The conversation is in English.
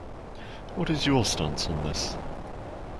What is your stance on this?